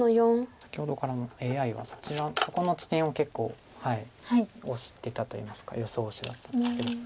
先ほどからＡＩはそこの地点を結構推してたといいますか予想手だったんですけど。